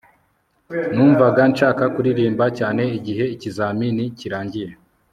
Numvaga nshaka kuririmba cyane igihe ikizamini kirangiye